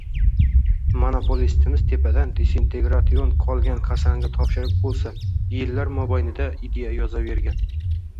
Monopolistimiz tepadan disintegration qolganƣi-qasanƣi topshiriq ʙwlsa, jillar moʙajnida am idea ʙaƶaravergan